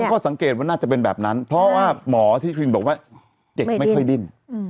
ก็สังเกตว่าน่าจะเป็นแบบนั้นเพราะว่าหมอที่คลินบอกว่าเด็กไม่ค่อยดิ้น